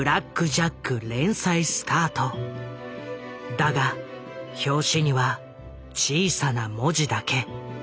だが表紙には小さな文字だけ。